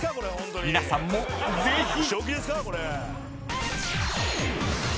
［皆さんもぜひ］